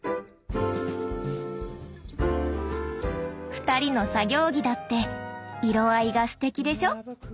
２人の作業着だって色合いがすてきでしょ。